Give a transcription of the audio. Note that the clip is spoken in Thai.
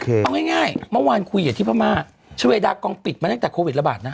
เอาง่ายเมื่อวานคุยกับที่พม่าชาเวดากองปิดมาตั้งแต่โควิดระบาดนะ